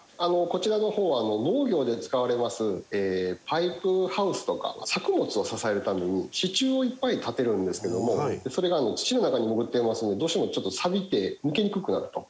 こちらの方は農業で使われますパイプハウスとか作物を支えるために支柱をいっぱい立てるんですけどもそれが土の中に潜っていますのでどうしてもちょっとさびて抜きにくくなると。